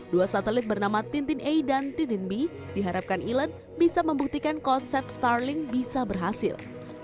dua satelit bernama tintin a dan tintin b diharapkan elon bisa membuktikan konsep starling bisa berhasil